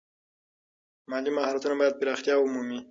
مالي مهارتونه باید پراختیا ومومي.